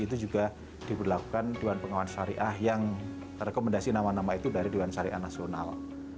itu juga diberlakukan dewan pengawas syariah yang rekomendasi nama nama itu dari dewan syariah nasional